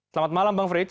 selamat malam bang fritz